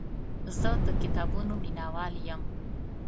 زه د کتابونو مینهوال یم.